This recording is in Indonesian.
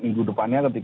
minggu depannya ketika